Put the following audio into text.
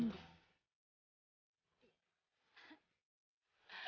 oh siap banget ya